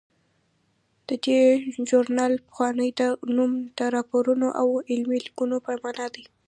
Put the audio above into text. د دې ژورنال پخوانی نوم د راپورونو او علمي لیکنو په مانا و.